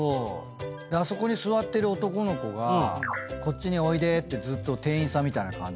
あそこに座ってる男の子が「こっちにおいで」ってずっと店員さんみたいな感じであの看板の前で立ってて。